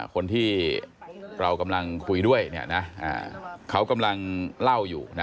คนที่เรากำลังคุยด้วยเขากำลังเล่าอยู่นะ